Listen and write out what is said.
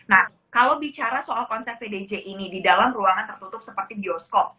nah kalau bicara soal konsep pdj ini di dalam ruangan tertutup seperti bioskop